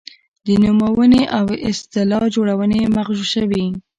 د نومونې او اصطلاح جوړونې مغشوشوي.